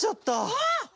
あっ！